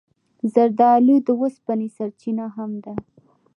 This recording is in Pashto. زردالو د اوسپنې سرچینه هم ده.